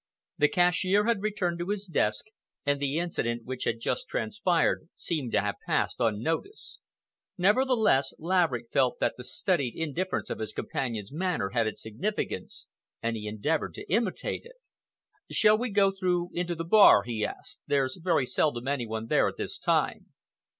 The cashier had returned to his desk, and the incident which had just transpired seemed to have passed unnoticed. Nevertheless, Laverick felt that the studied indifference of his companion's manner had its significance, and he endeavored to imitate it. "Shall we go through into the bar?" he asked. "There's very seldom any one there at this time."